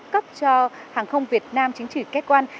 cấp cho hàng không việt nam chính trị kết quan